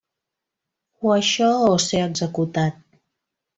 O això o ser executat.